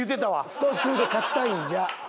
「『ストⅡ』で勝ちたいんじゃ！！」。